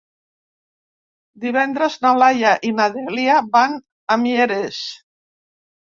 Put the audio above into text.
Divendres na Laia i na Dèlia van a Mieres.